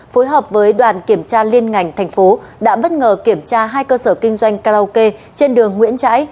phối hợp với đoàn kiểm tra liên ngành thành phố đã bất ngờ kiểm tra hai cơ sở kinh doanh karaoke trên đường nguyễn trãi